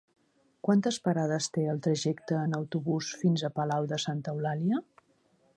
Quantes parades té el trajecte en autobús fins a Palau de Santa Eulàlia?